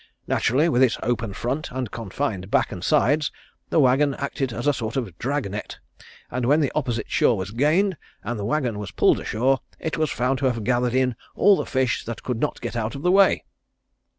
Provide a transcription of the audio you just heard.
Naturally with its open front and confined back and sides the wagon acted as a sort of drag net and when the opposite shore was gained, and the wagon was pulled ashore, it was found to have gathered in all the fish that could not get out of the way."